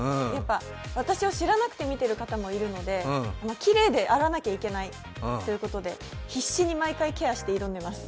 私を知らなくて見ている方もいるので、きれいであらなきゃいけないということで、必死で毎回ケアして挑んでます。